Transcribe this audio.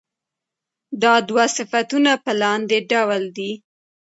دا دوه صفتونه په لاندې ډول دي.